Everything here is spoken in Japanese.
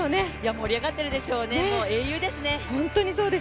盛り上がっているでしょうね、英雄ですね。